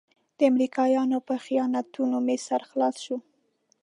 د امريکايانو په خیانتونو مې سر خلاص شو.